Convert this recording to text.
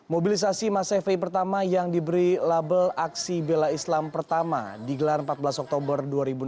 mobilisasi masa fpi pertama yang diberi label aksi bela islam pertama digelar empat belas oktober dua ribu delapan belas